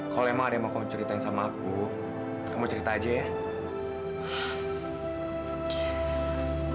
kalau emang ada yang mau kamu ceritain sama aku kamu cerita aja ya